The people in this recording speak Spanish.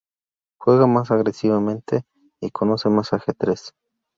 Juega más agresivamente y conoce más ajedrez.